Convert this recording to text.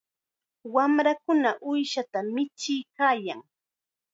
Wamrakuna uushata michiykaayan.